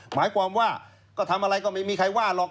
หมายความว่าก็ทำอะไรก็ไม่มีใครว่าหรอก